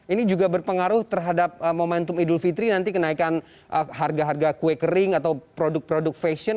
ini juga berpengaruh terhadap momentum idul fitri nanti kenaikan harga harga kue kering atau produk produk fashion